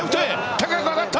高く上がった！